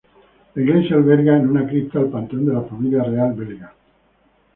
La iglesia alberga en una cripta el panteón de la familia real belga.